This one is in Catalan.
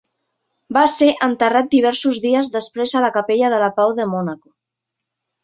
Va ser enterrat diversos dies després a la capella de la Pau de Mònaco.